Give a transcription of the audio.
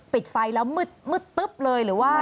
ปิดไฟแล้วมืดตึ๊บเลยหรือว่า